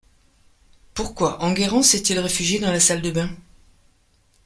Pourquoi Enguerrand s’est-il réfugié dans la salle de bains ?